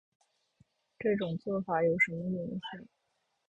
这种做法有什么影响